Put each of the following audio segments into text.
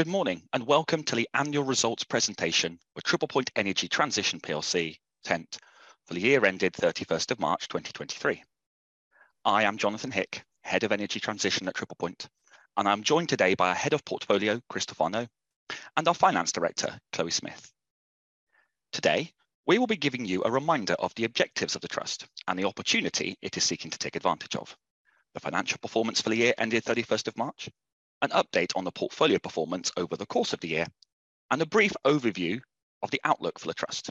Good morning, welcome to the annual results presentation with Triple Point Energy Transition plc, TENT, for the year ended 31st of March, 2023. I am Jonathan Hick, Head of Energy Transition at Triple Point. I'm joined today by our head of portfolio, Christophe Arnoult, and our Finance Director, Chloe Smith. Today, we will be giving you a reminder of the objectives of the trust and the opportunity it is seeking to take advantage of, the financial performance for the year ended 31st of March, an update on the portfolio performance over the course of the year, and a brief overview of the outlook for the trust.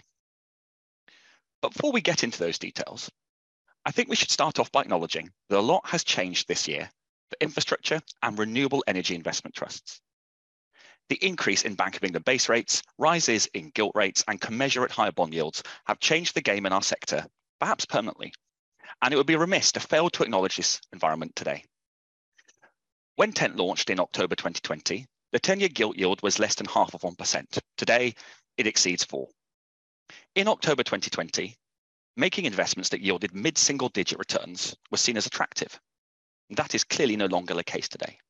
Before we get into those details, I think we should start off by acknowledging that a lot has changed this year for infrastructure and renewable energy investment trusts. The increase in Bank of England base rates, rises in gilt rates, and commensurate higher bond yields have changed the game in our sector, perhaps permanently, and it would be remiss to fail to acknowledge this environment today. When TENT launched in October 2020, the 10-year gilt yield was less than half of 1%. Today, it exceeds 4%. In October 2020, making investments that yielded mid-single-digit returns were seen as attractive. That is clearly no longer the case today.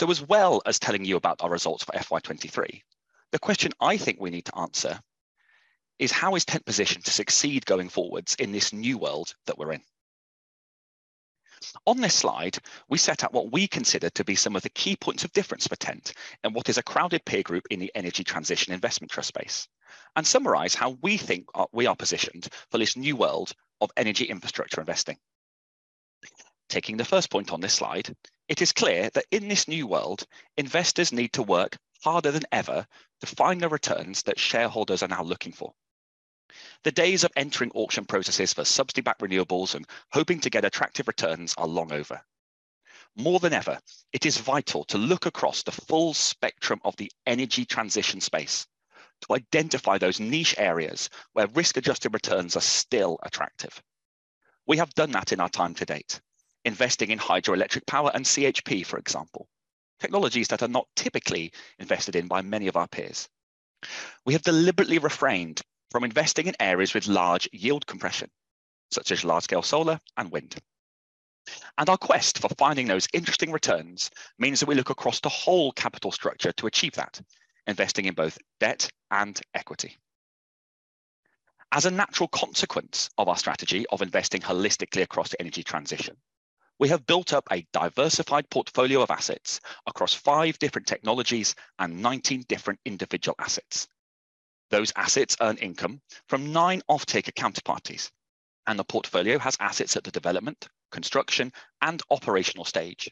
As well as telling you about our results for FY 2023, the question I think we need to answer is: How is TENT positioned to succeed going forwards in this new world that we're in? On this slide, we set out what we consider to be some of the key points of difference for TENT and what is a crowded peer group in the energy transition investment trust space, and summarize how we think we are positioned for this new world of energy infrastructure investing. Taking the first point on this slide, it is clear that in this new world, investors need to work harder than ever to find the returns that shareholders are now looking for. The days of entering auction processes for subsidy-backed renewables and hoping to get attractive returns are long over. More than ever, it is vital to look across the full spectrum of the energy transition space to identify those niche areas where risk-adjusted returns are still attractive. We have done that in our time to date, investing in hydroelectric and CHP, for example, technologies that are not typically invested in by many of our peers. We have deliberately refrained from investing in areas with large yield compression, such as large-scale solar and wind. Our quest for finding those interesting returns means that we look across the whole capital structure to achieve that, investing in both debt and equity. As a natural consequence of our strategy of investing holistically across the energy transition, we have built up a diversified portfolio of assets across five different technologies and 19 different individual assets. Those assets earn income from nine offtake counterparties, and the portfolio has assets at the development, construction, and operational stage,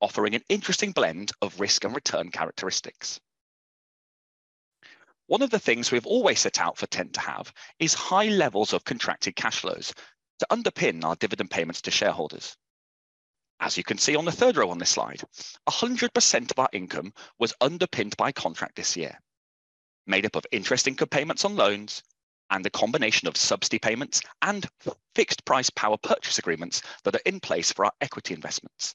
offering an interesting blend of risk and return characteristics. One of the things we've always set out for TENT to have is high levels of contracted cash flows to underpin our dividend payments to shareholders. As you can see on the third row on this slide, 100% of our income was underpinned by contract this year, made up of interest income payments on loans and the combination of subsidy payments and fixed-price power purchase agreements that are in place for our equity investments.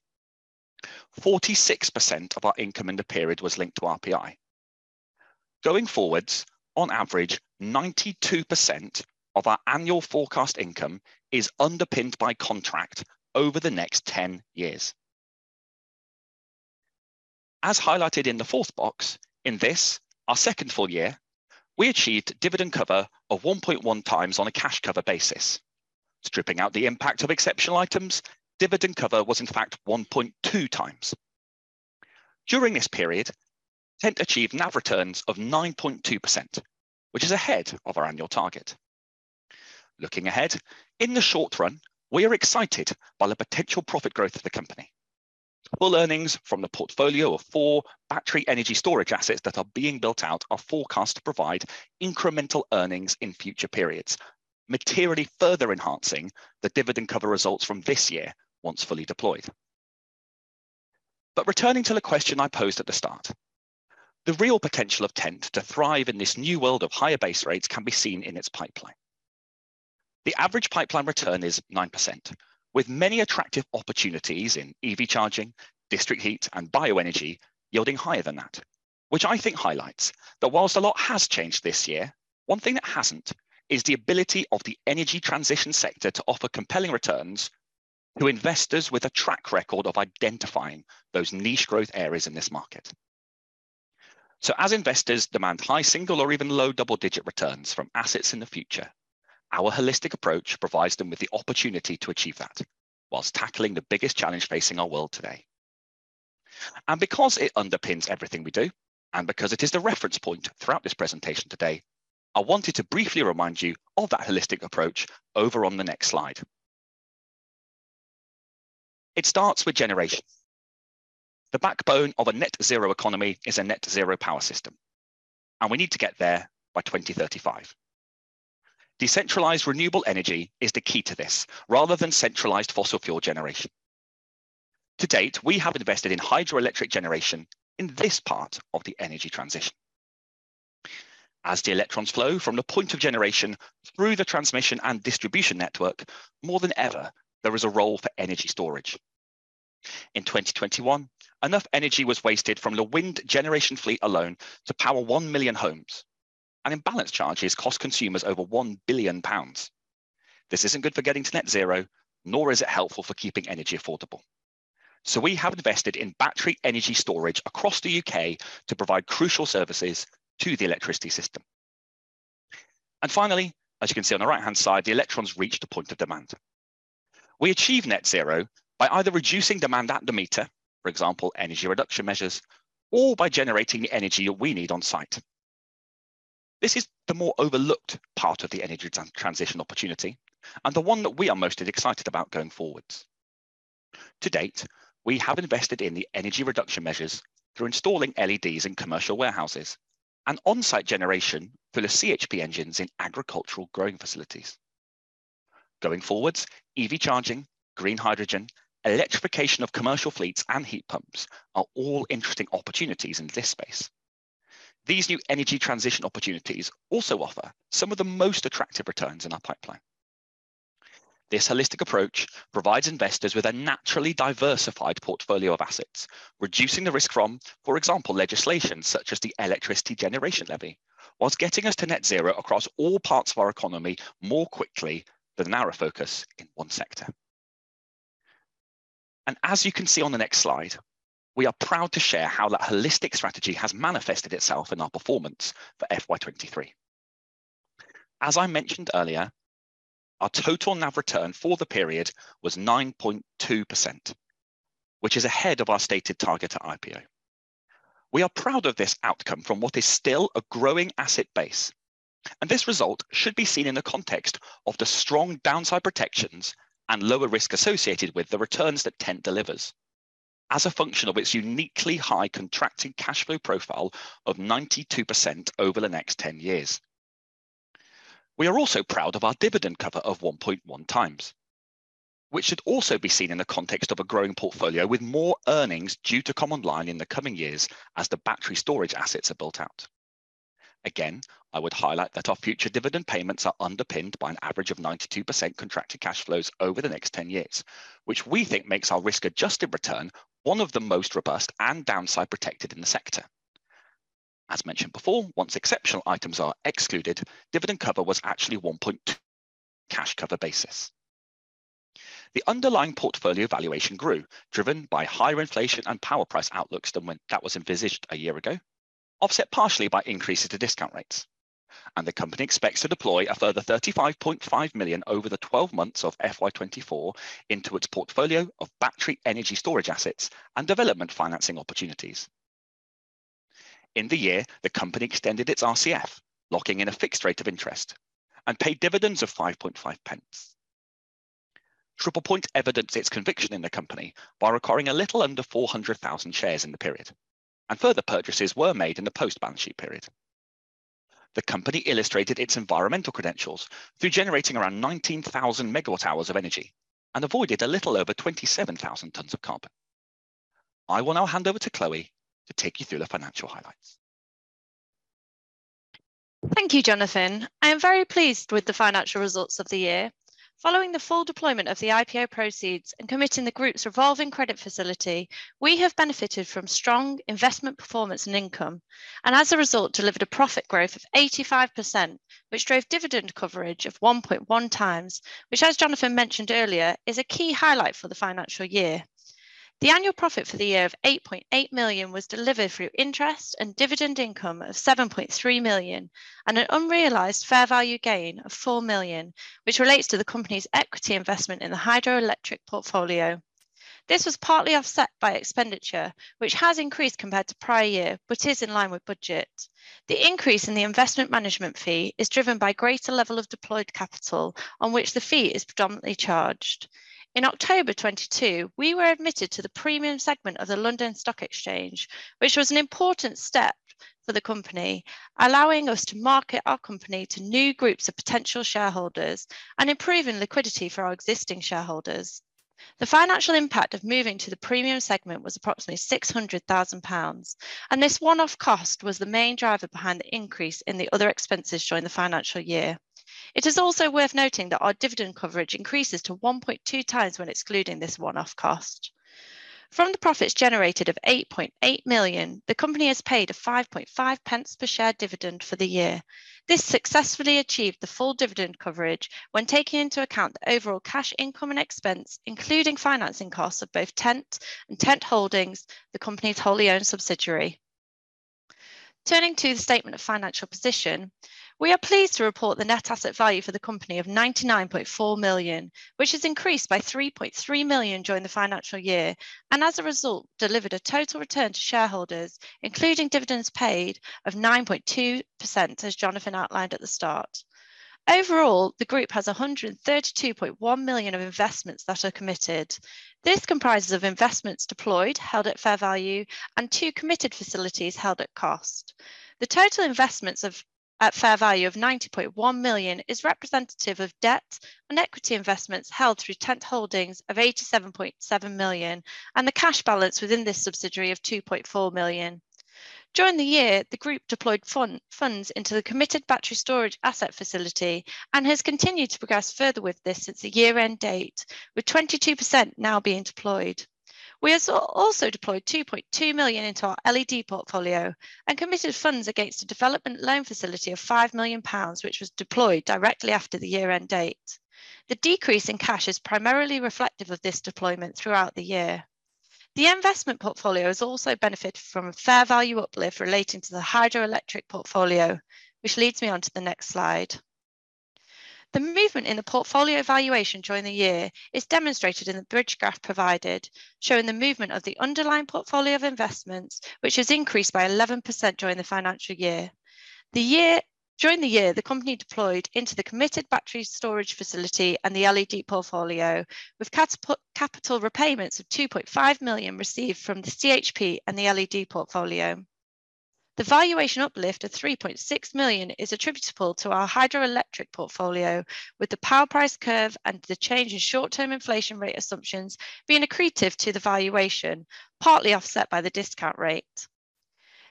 46% of our income in the period was linked to RPI. Going forwards, on average, 92% of our annual forecast income is underpinned by contract over the next 10 years. As highlighted in the fourth box, in this, our second full year, we achieved dividend cover of 1.1x on a cash cover basis. Stripping out the impact of exceptional items, dividend cover was, in fact, 1.2x. During this period, TENT achieved NAV returns of 9.2%, which is ahead of our annual target. Looking ahead, in the short run, we are excited by the potential profit growth of the company, while earnings from the portfolio of four battery energy storage assets that are being built out are forecast to provide incremental earnings in future periods, materially further enhancing the dividend cover results from this year once fully deployed. Returning to the question I posed at the start, the real potential of TENT to thrive in this new world of higher base rates can be seen in its pipeline. The average pipeline return is 9%, with many attractive opportunities in EV charging, district heat, and bioenergy yielding higher than that, which I think highlights that whilst a lot has changed this year, one thing that hasn't is the ability of the energy transition sector to offer compelling returns to investors with a track record of identifying those niche growth areas in this market. As investors demand high single or even low double-digit returns from assets in the future, our holistic approach provides them with the opportunity to achieve that whilst tackling the biggest challenge facing our world today. Because it underpins everything we do, and because it is the reference point throughout this presentation today, I wanted to briefly remind you of that holistic approach over on the next slide. It starts with generation. The backbone of a net zero economy is a net zero power system. We need to get there by 2035. Decentralized renewable energy is the key to this, rather than centralized fossil fuel generation. To date, we have invested in hydroelectric generation in this part of the energy transition. As the electrons flow from the point of generation through the transmission and distribution network, more than ever, there is a role for energy storage. In 2021, enough energy was wasted from the wind generation fleet alone to power 1 million homes. Imbalance charges cost consumers over 1 billion pounds. This isn't good for getting to net zero, nor is it helpful for keeping energy affordable. We have invested in battery energy storage across the U.K. to provide crucial services to the electricity system. Finally, as you can see on the right-hand side, the electrons reach the point of demand. We achieve net zero by either reducing demand at the meter, for example, energy reduction measures, or by generating the energy we need on-site. This is the more overlooked part of the energy transition opportunity and the one that we are most excited about going forwards. To date, we have invested in the energy reduction measures through installing LEDs in commercial warehouses and on-site generation through the CHP engines in agricultural growing facilities. Going forwards, EV charging, green hydrogen, electrification of commercial fleets, and heat pumps are all interesting opportunities in this space. These new energy transition opportunities also offer some of the most attractive returns in our pipeline. This holistic approach provides investors with a naturally diversified portfolio of assets, reducing the risk from, for example, legislation such as the Electricity Generator Levy, whilst getting us to net zero across all parts of our economy more quickly than a narrow focus in one sector. As you can see on the next slide, we are proud to share how that holistic strategy has manifested itself in our performance for FY 2023. As I mentioned earlier, our total NAV return for the period was 9.2%, which is ahead of our stated target at IPO. We are proud of this outcome from what is still a growing asset base, this result should be seen in the context of the strong downside protections and lower risk associated with the returns that TENT delivers as a function of its uniquely high contracted cash flow profile of 92% over the next 10 years. We are also proud of our dividend cover of 1.1x, which should also be seen in the context of a growing portfolio, with more earnings due to come online in the coming years as the battery storage assets are built out. Again, I would highlight that our future dividend payments are underpinned by an average of 92% contracted cash flows over the next 10 years, which we think makes our risk-adjusted return one of the most robust and downside protected in the sector. As mentioned before, once exceptional items are excluded, dividend cover was actually 1.2 cash cover basis. The underlying portfolio valuation grew, driven by higher inflation and power price outlooks than when that was envisaged a year ago, offset partially by increases to discount rates. The company expects to deploy a further 35.5 million over the 12 months of FY 2024 into its portfolio of battery energy storage assets and development financing opportunities. In the year, the company extended its RCF, locking in a fixed rate of interest and paid dividends of 0.055. Triple Point evidenced its conviction in the company by acquiring a little under 400,000 shares in the period, further purchases were made in the post-balance sheet period. The company illustrated its environmental credentials through generating around 19,000 megawatt hours of energy and avoided a little over 27,000 tons of carbon. I will now hand over to Chloe to take you through the financial highlights. Thank you, Jonathan. I am very pleased with the financial results of the year. Following the full deployment of the IPO proceeds and committing the group's revolving credit facility, we have benefited from strong investment performance and income, and as a result, delivered a profit growth of 85%, which drove dividend coverage of 1.1x, which, as Jonathan mentioned earlier, is a key highlight for the financial year. The annual profit for the year of 8.8 million was delivered through interest and dividend income of 7.3 million, and an unrealized fair value gain of 4 million, which relates to the company's equity investment in the hydroelectric portfolio. This was partly offset by expenditure, which has increased compared to prior year, but is in line with budget. The increase in the investment management fee is driven by greater level of deployed capital, on which the fee is predominantly charged. In October 2022, we were admitted to the premium segment of the London Stock Exchange, which was an important step for the company, allowing us to market our company to new groups of potential shareholders and improving liquidity for our existing shareholders. The financial impact of moving to the premium segment was approximately 600,000 pounds, and this one-off cost was the main driver behind the increase in the other expenses during the financial year. It is also worth noting that our dividend coverage increases to 1.2x when excluding this one-off cost. From the profits generated of 8.8 million, the company has paid a 0.055 per share dividend for the year. This successfully achieved the full dividend coverage when taking into account the overall cash income and expense, including financing costs of both TENT and TENT Holdings, the company's wholly owned subsidiary. Turning to the statement of financial position, we are pleased to report the net asset value for the company of 99.4 million, which has increased by 3.3 million during the financial year, and as a result, delivered a total return to shareholders, including dividends paid of 9.2%, as Jonathan outlined at the start. Overall, the group has 132.1 million of investments that are committed. This comprises of investments deployed, held at fair value, and two committed facilities held at cost. The total investments of... at fair value of 90.1 million is representative of debt and equity investments held through TENT Holdings of 87.7 million, and the cash balance within this subsidiary of 2.4 million. During the year, the group deployed funds into the committed battery storage asset facility and has continued to progress further with this since the year-end date, with 22% now being deployed. We have also deployed 2.2 million into our LED portfolio and committed funds against a development loan facility of 5 million pounds, which was deployed directly after the year-end date. The decrease in cash is primarily reflective of this deployment throughout the year. The investment portfolio has also benefited from a fair value uplift relating to the hydroelectric portfolio, which leads me on to the next slide. The movement in the portfolio valuation during the year is demonstrated in the bridge graph provided, showing the movement of the underlying portfolio of investments, which has increased by 11% during the financial year. During the year, the company deployed into the committed battery storage facility and the LED portfolio, with scheduled capital repayments of 2.5 million received from the CHP and the LED portfolio. The valuation uplift of 3.6 million is attributable to our hydroelectric portfolio, with the power price curve and the change in short-term inflation rate assumptions being accretive to the valuation, partly offset by the discount rate.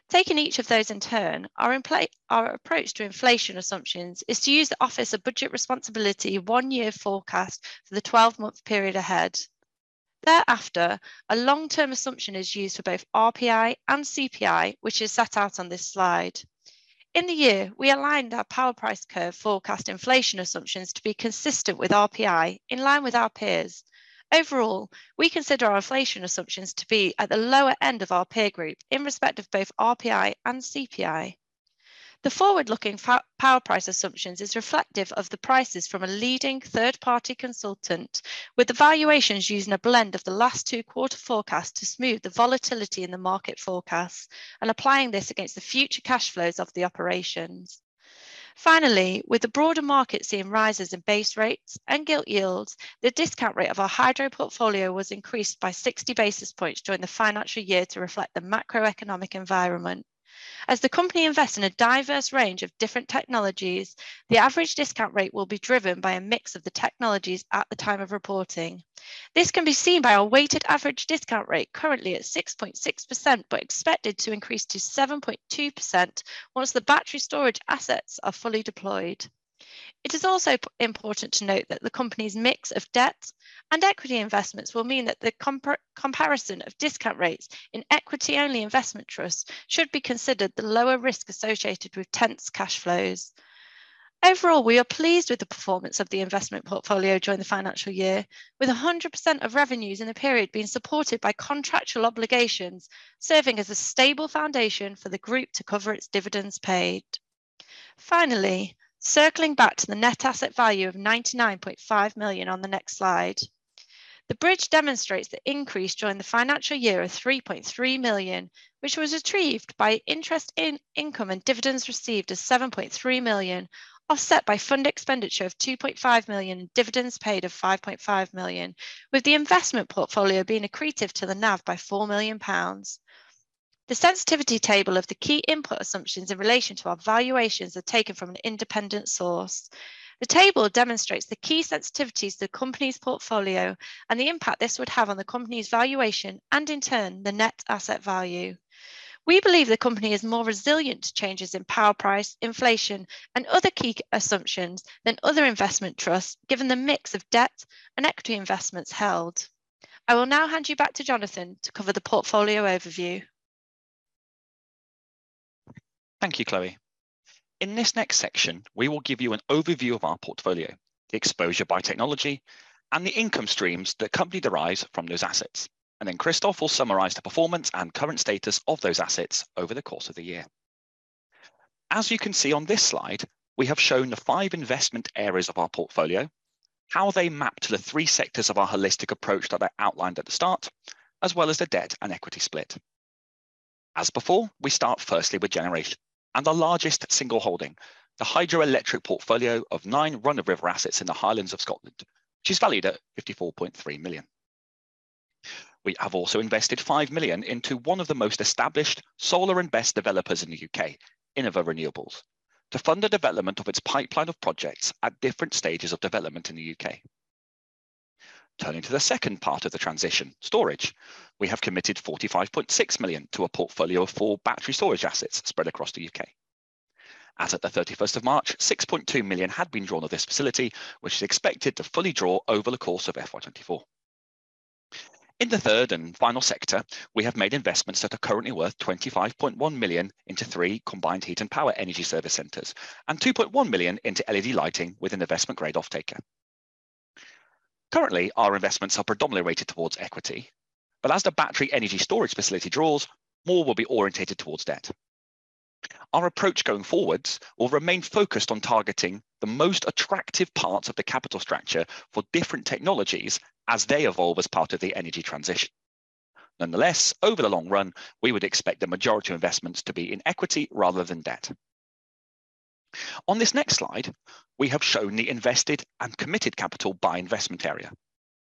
Taking each of those in turn, our approach to inflation assumptions is to use the Office for Budget Responsibility one-year forecast for the 12-month period ahead. A long-term assumption is used for both RPI and CPI, which is set out on this slide. In the year, we aligned our power price curve forecast inflation assumptions to be consistent with RPI, in line with our peers. We consider our inflation assumptions to be at the lower end of our peer group in respect of both RPI and CPI. The forward-looking power price assumptions is reflective of the prices from a leading third-party consultant, with the valuations using a blend of the last two quarter forecasts to smooth the volatility in the market forecasts and applying this against the future cash flows of the operations. With the broader market seeing rises in base rates and gilt yields, the discount rate of our hydro portfolio was increased by 60 basis points during the financial year to reflect the macroeconomic environment. As the company invests in a diverse range of different technologies, the average discount rate will be driven by a mix of the technologies at the time of reporting. This can be seen by our weighted average discount rate, currently at 6.6%, but expected to increase to 7.2% once the battery storage assets are fully deployed. It is also important to note that the company's mix of debt and equity investments will mean that the comparison of discount rates in equity-only investment trusts should be considered the lower risk associated with TENT's cash flows. Overall, we are pleased with the performance of the investment portfolio during the financial year, with 100% of revenues in the period being supported by contractual obligations, serving as a stable foundation for the group to cover its dividends paid. Finally, circling back to the net asset value of 99.5 million on the next slide. The bridge demonstrates the increase during the financial year of 3.3 million, which was retrieved by interest income and dividends received as 7.3 million, offset by fund expenditure of 2.5 million and dividends paid of 5.5 million, with the investment portfolio being accretive to the NAV by 4 million pounds. The sensitivity table of the key input assumptions in relation to our valuations are taken from an independent source. The table demonstrates the key sensitivities to the company's portfolio and the impact this would have on the company's valuation and, in turn, the net asset value. We believe the company is more resilient to changes in power price, inflation, and other key assumptions than other investment trusts, given the mix of debt and equity investments held. I will now hand you back to Jonathan to cover the portfolio overview. Thank you, Chloe. In this next section, we will give you an overview of our portfolio: the exposure by technology and the income stream that company derives from those assets and then Christophe will summarize the performance and current status of those assets over the course of the year. As you can see on this slide, we have shown the five investment areas of our portfolio, how they map to the three sectors of our holistic approach that I outlined at the start, as well as the debt and equity split. As before, we start firstly with generation and the largest single holding, the hydroelectric portfolio of nine run-of-river assets in the Highlands of Scotland, which is valued at 54.3 million. We have also invested 5 million into one of the most established solar and BESS developers in the U.K., Innova Renewables, to fund the development of its pipeline of projects at different stages of development in the U.K. Turning to the second part of the transition, storage, we have committed 45.6 million to a portfolio of four battery storage assets spread across the U.K. As at the 31st of March, 6.2 million had been drawn on this facility, which is expected to fully draw over the course of FY 2024. In the third and final sector, we have made investments that are currently worth 25.1 million into three combined heat and power energy service centers and 2.1 million into LED lighting with an investment grade off-taker. Currently, our investments are predominantly weighted towards equity, but as the battery energy storage facility draws, more will be orientated towards debt. Our approach going forwards will remain focused on targeting the most attractive parts of the capital structure for different technologies as they evolve as part of the energy transition. Nonetheless, over the long run, we would expect the majority of investments to be in equity rather than debt. On this next slide, we have shown the invested and committed capital by investment area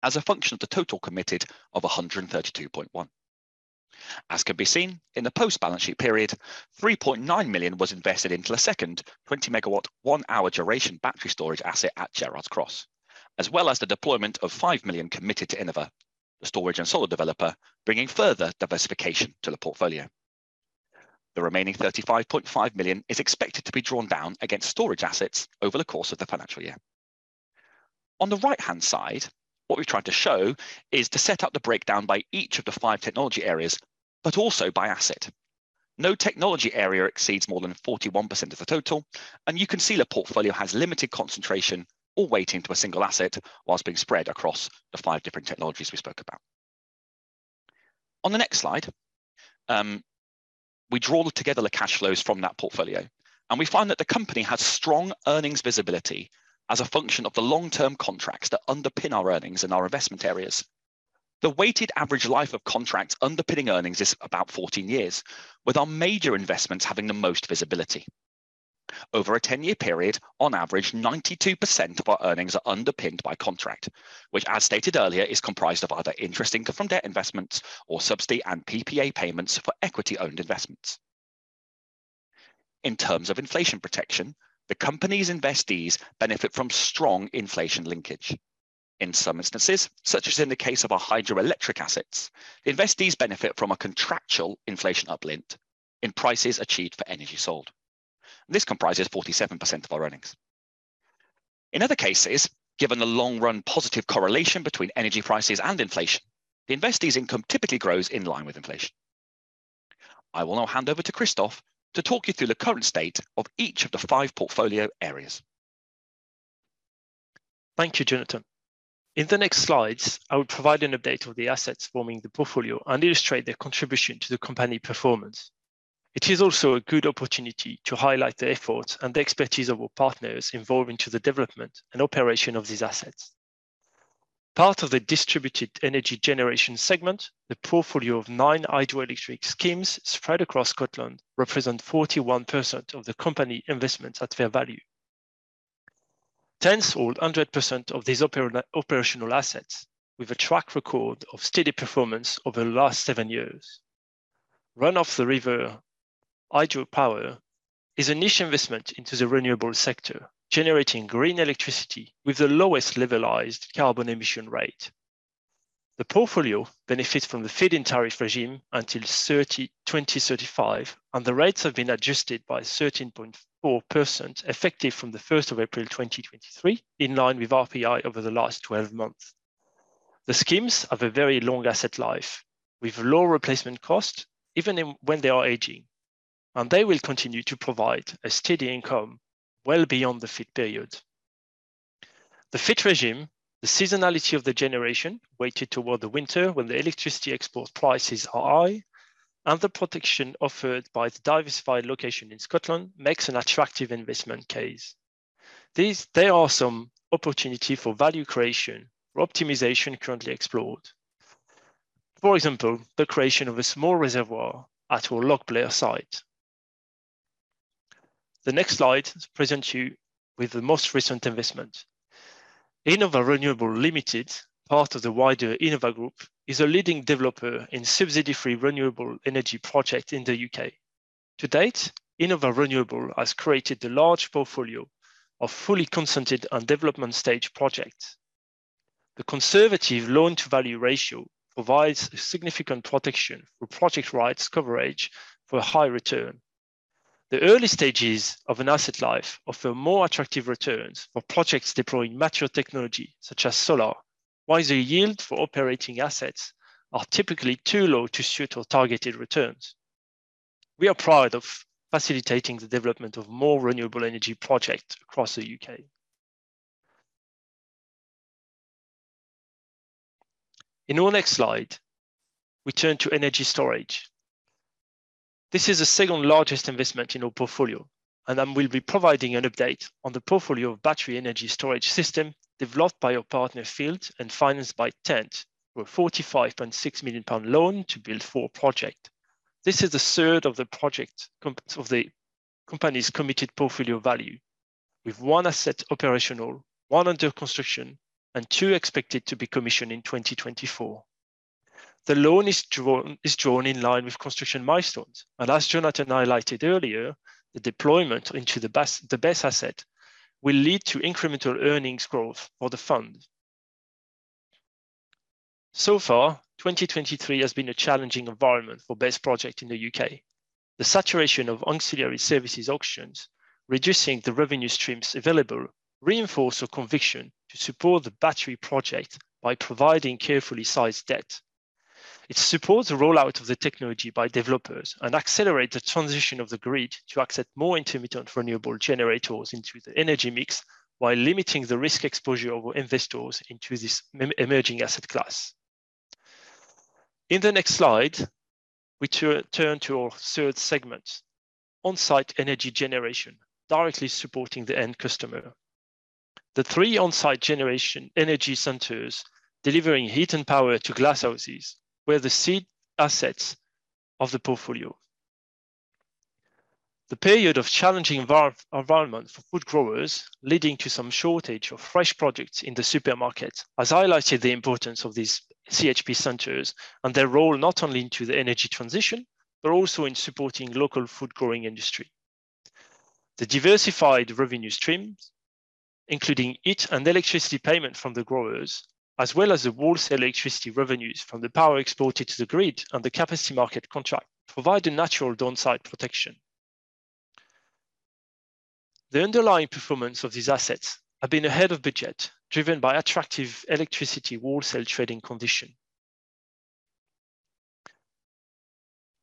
as a function of the total committed of 132.1 million. As can be seen, in the post-balance sheet period, 3.9 million was invested into a second 20 MW, one-hour duration battery storage asset at Gerrards Cross, as well as the deployment of 5 million committed to Innova, the storage and solar developer, bringing further diversification to the portfolio. The remaining 35.5 million is expected to be drawn down against storage assets over the course of the financial year. On the right-hand side, what we've tried to show is to set out the breakdown by each of the five technology areas, but also by asset. No technology area exceeds more than 41% of the total, you can see the portfolio has limited concentration or weighting to a single asset, whilst being spread across the five different technologies we spoke about. On the next slide, we draw together the cash flows from that portfolio, we find that the company has strong earnings visibility as a function of the long-term contracts that underpin our earnings in our investment areas. The weighted average life of contracts underpinning earnings is about 14 years, with our major investments having the most visibility. Over a 10-year period, on average, 92% of our earnings are underpinned by contract, which, as stated earlier, is comprised of either interest from debt investments or subsidy and PPA payments for equity-owned investments. In terms of inflation protection, the company's investees benefit from strong inflation linkage. In some instances, such as in the case of our hydroelectric assets, investees benefit from a contractual inflation uplink in prices achieved for energy sold. This comprises 47% of our earnings. In other cases, given the long-run positive correlation between energy prices and inflation, the investees' income typically grows in line with inflation. I will now hand over to Christophe to talk you through the current state of each of the five portfolio areas. Thank you, Jonathan. In the next slides, I will provide an update of the assets forming the portfolio and illustrate their contribution to the company performance. It is also a good opportunity to highlight the efforts and the expertise of our partners involved into the development and operation of these assets. Part of the distributed energy generation segment, the portfolio of nine hydroelectric schemes spread across Scotland, represent 41% of the company investments at fair value. TENT hold 100% of these operational assets, with a track record of steady performance over the last seven years. run-of-the-river hydropower is a niche investment into the renewable sector, generating green electricity with the lowest levelised carbon intensity. The portfolio benefits from the Feed-in Tariff regime until 2035, and the rates have been adjusted by 13.4%, effective from the 1st of April 2023, in line with RPI over the last 12 months. The schemes have a very long asset life, with low replacement cost, even when they are aging, and they will continue to provide a steady income well beyond the FiT period. The FiT regime, the seasonality of the generation, weighted toward the winter when the electricity export prices are high, and the protection offered by the diversified location in Scotland makes an attractive investment case. There are some opportunity for value creation or optimization currently explored. For example, the creation of a small reservoir at our Loch Blair site. The next slide presents you with the most recent investment. Innova Renewables Limited, part of the wider Innova Group, is a leading developer in subsidy-free renewable energy project in the U.K. To date, Innova Renewables has created a large portfolio of fully consented and development stage projects. The conservative loan-to-value ratio provides significant protection for project rights coverage for a high return. The early stages of an asset life offer more attractive returns for projects deploying mature technology, such as solar, while the yield for operating assets are typically too low to suit our targeted returns. We are proud of facilitating the development of more renewable energy projects across the U.K. In our next slide, we turn to energy storage. This is the second largest investment in our portfolio. I will be providing an update on the portfolio of battery energy storage system developed by our partner, Field, and financed by TENT, for a 45.6 million pound loan to build four projects. This is the third of the company's committed portfolio value, with one asset operational, one under construction, and two expected to be commissioned in 2024. The loan is drawn in line with construction milestones. As Jonathan highlighted earlier, the deployment into the BESS asset will lead to incremental earnings growth for the fund. So far, 2023 has been a challenging environment for BESS projects in the U.K. The saturation of ancillary services auctions, reducing the revenue streams available, reinforce a conviction to support the battery project by providing carefully sized debt. It supports the rollout of the technology by developers and accelerate the transition of the grid to accept more intermittent renewable generators into the energy mix, while limiting the risk exposure of investors into this emerging asset class. In the next slide, we turn to our third segment, on-site energy generation, directly supporting the end customer. The three on-site generation energy centers, delivering heat and power to greenhouses, were the seed assets of the portfolio. The period of challenging environment for food growers, leading to some shortage of fresh products in the supermarket, has highlighted the importance of these CHP centers and their role not only into the energy transition, but also in supporting local food growing industry. The diversified revenue streams, including heat and electricity payment from the growers, as well as the wholesale electricity revenues from the power exported to the grid and the capacity market contract, provide a natural downside protection. The underlying performance of these assets have been ahead of budget, driven by attractive electricity wholesale trading condition.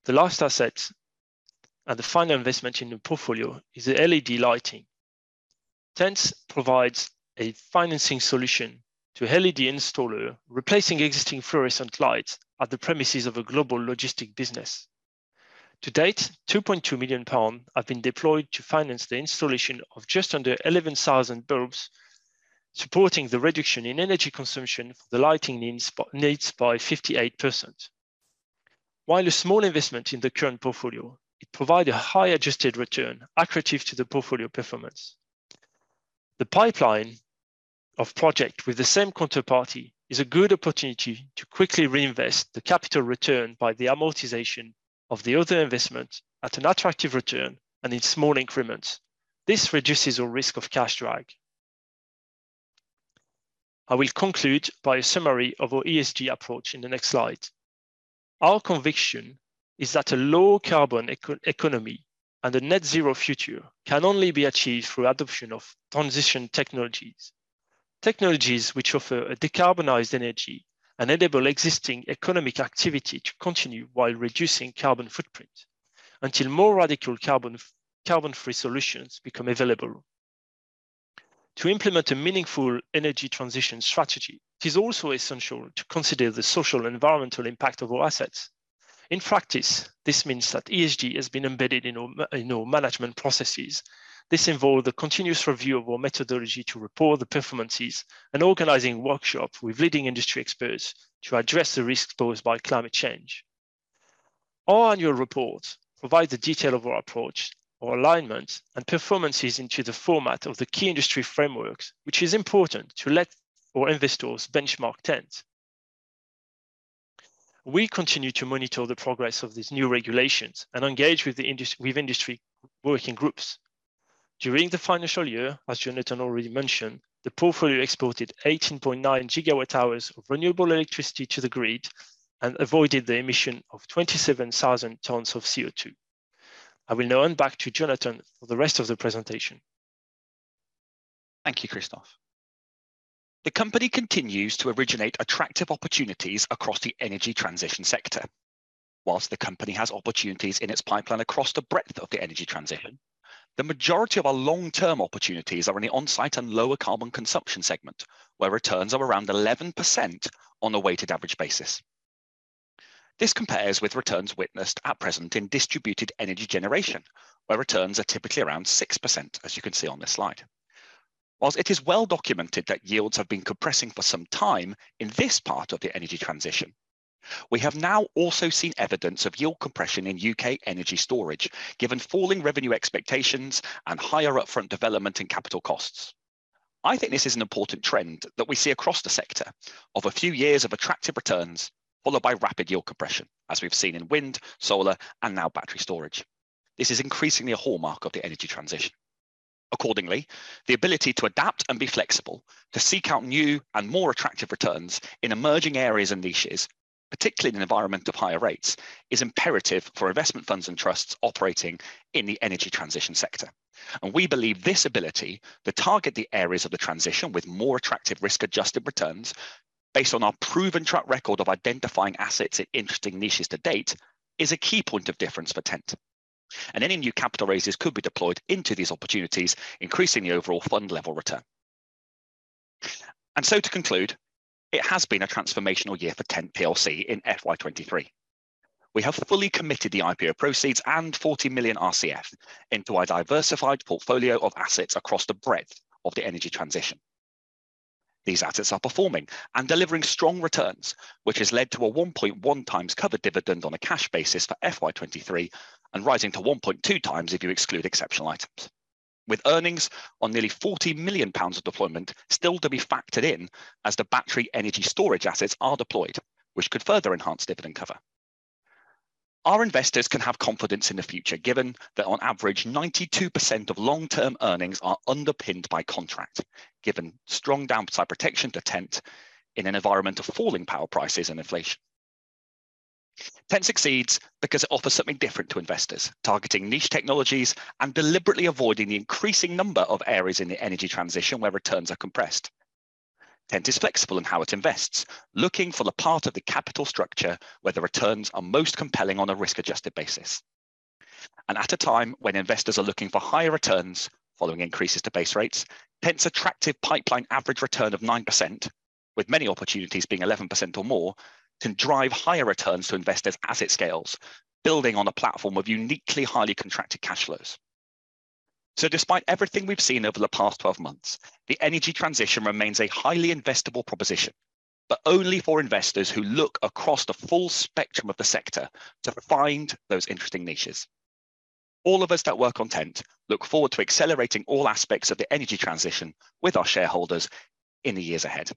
The last asset and the final investment in the portfolio is the LED lighting. TENT provides a financing solution to LED installer, replacing existing fluorescent lights at the premises of a global logistic business. To date, 2.2 million pounds have been deployed to finance the installation of just under 11,000 bulbs, supporting the reduction in energy consumption for the lighting needs by 58%. While a small investment in the current portfolio, it provide a high adjusted return accretive to the portfolio performance. The pipeline of project with the same counterparty is a good opportunity to quickly reinvest the capital return by the amortization of the other investment at an attractive return and in small increments. This reduces our risk of cash drag. I will conclude by a summary of our ESG approach in the next slide. Our conviction is that a low carbon eco-economy and a net zero future can only be achieved through adoption of transition technologies. Technologies which offer a decarbonized energy and enable existing economic activity to continue while reducing carbon footprint, until more radical carbon-free solutions become available. To implement a meaningful energy transition strategy, it is also essential to consider the social and environmental impact of our assets. In practice, this means that ESG has been embedded in our management processes. This involved a continuous review of our methodology to report the performances and organizing workshop with leading industry experts to address the risks posed by climate change. Our annual report provides the detail of our approach, our alignment, and performances into the format of the key industry frameworks, which is important to let our investors benchmark TENT. We continue to monitor the progress of these new regulations and engage with industry working groups. During the financial year, as Jonathan already mentioned, the portfolio exported 18.9 GW hours of renewable electricity to the grid and avoided the emission of 27,000 tons of CO2. I will now hand back to Jonathan for the rest of the presentation. Thank you, Christophe. The company continues to originate attractive opportunities across the energy transition sector. The company has opportunities in its pipeline across the breadth of the energy transition, the majority of our long-term opportunities are in the on-site and lower carbon consumption segment, where returns are around 11% on a weighted average basis. This compares with returns witnessed at present in distributed energy generation, where returns are typically around 6%, as you can see on this slide. It is well documented that yields have been compressing for some time in this part of the energy transition, we have now also seen evidence of yield compression in U.K. energy storage, given falling revenue expectations and higher upfront development and capital costs. I think this is an important trend that we see across the sector of a few years of attractive returns, followed by rapid yield compression, as we've seen in wind, solar, and now battery storage. This is increasingly a hallmark of the energy transition. Accordingly, the ability to adapt and be flexible, to seek out new and more attractive returns in emerging areas and niches, particularly in an environment of higher rates, is imperative for investment funds and trusts operating in the energy transition sector. We believe this ability to target the areas of the transition with more attractive risk-adjusted returns, based on our proven track record of identifying assets in interesting niches to date, is a key point of difference for TENT. Any new capital raises could be deployed into these opportunities, increasing the overall fund level return. To conclude, it has been a transformational year for TENT PLC in FY 2023. We have fully committed the IPO proceeds and 40 million RCF into a diversified portfolio of assets across the breadth of the energy transition. These assets are performing and delivering strong returns, which has led to a 1.1x covered dividend on a cash basis for FY 2023, and rising to 1.2x if you exclude exceptional items. With earnings on nearly 40 million pounds of deployment still to be factored in as the battery energy storage assets are deployed, which could further enhance dividend cover. Our investors can have confidence in the future, given that on average, 92% of long-term earnings are underpinned by contract, given strong downside protection to TENT in an environment of falling power prices and inflation. Tent succeeds because it offers something different to investors, targeting niche technologies and deliberately avoiding the increasing number of areas in the energy transition where returns are compressed. Tent is flexible in how it invests, looking for the part of the capital structure where the returns are most compelling on a risk-adjusted basis. At a time when investors are looking for higher returns following increases to base rates, Tent's attractive pipeline average return of 9%, with many opportunities being 11% or more, can drive higher returns to investors as it scales, building on a platform of uniquely highly contracted cash flows. Despite everything we've seen over the past 12 months, the energy transition remains a highly investable proposition, but only for investors who look across the full spectrum of the sector to find those interesting niches. All of us that work on TENT look forward to accelerating all aspects of the energy transition with our shareholders in the years ahead.